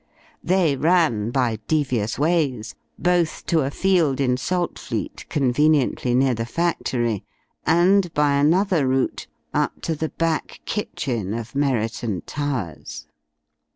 They ran, by devious ways, both to a field in Saltfleet conveniently near the factory, and by another route up to the back kitchen of Merriton Towers.